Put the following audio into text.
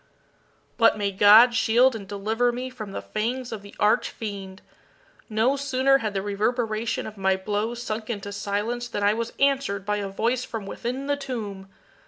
But may God shield and deliver me from the fangs of the arch fiend! No sooner had the reverberation of my blows sunk into silence than I was answered by a voice from within the tomb!